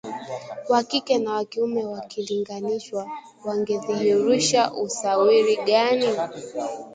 wa kike na wa kiume wakilinganishwa wangedhihirisha usawiri gani